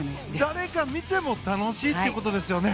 誰が見ても楽しいということですよね。